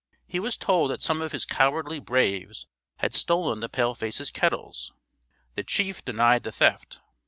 He was told that some of his cowardly "braves" had stolen the paleface's kettles. The chief denied the theft.